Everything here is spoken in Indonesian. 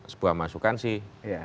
sebuah masukan sih